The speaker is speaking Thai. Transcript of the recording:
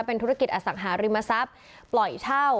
เป็นธุรกิจอสังหาริมทรัพย์ปล่อยเช่า